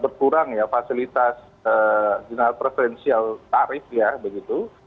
berturang ya fasilitas general preferential tarif ya begitu